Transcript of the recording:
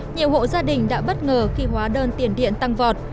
nhiều hộ gia đình đã bất ngờ khi hóa đơn tiền điện tăng vọt